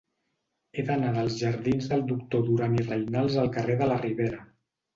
He d'anar dels jardins del Doctor Duran i Reynals al carrer de la Ribera.